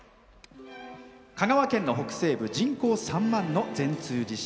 香川県の北西部、人口３万の善通寺市。